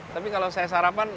tapi kalau saya sarapan